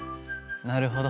なるほど。